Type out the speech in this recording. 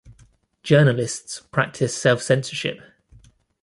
Journalists practice self-censorship.